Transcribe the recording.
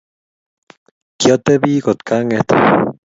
Kyatepi kotganget